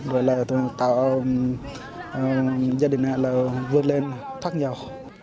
rồi là tạo gia đình nạn là vươn lên thoát nhau